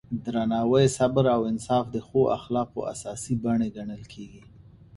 درناوی، صبر او انصاف د ښو اخلاقو اساسي بڼې ګڼل کېږي.